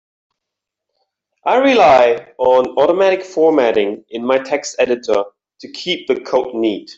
I rely on automatic formatting in my text editor to keep the code neat.